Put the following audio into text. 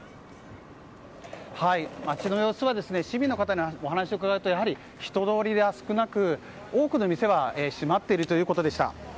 街の様子は市民の方にお話を伺うとやはり人通りが少なく多くの店は閉まっているということでした。